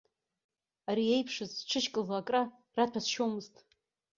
Ари иеиԥшыз сҽышькыл акра раҭәасшьомызт.